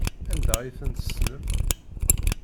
Anda ay ten-tessnem?